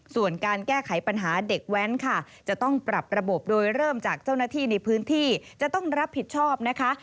ส่วนการแก้ไขปัญหาเด็กแว้นค่ะจะต้องปรับระบบโดยเริ่มจากเจ้าหน้าที่ในพื้นที่จะต้องรับผิดชอบนะคะ